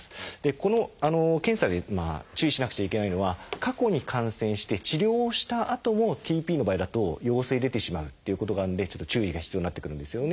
この検査で注意しなくちゃいけないのは過去に感染して治療をしたあともＴＰの場合だと陽性出てしまうということがあるのでちょっと注意が必要になってくるんですよね。